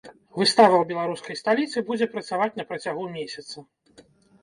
Выстава ў беларускай сталіцы будзе працаваць на працягу месяца.